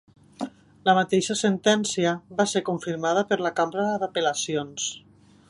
La mateixa sentència va ser confirmada per la cambra d'apel·lacions.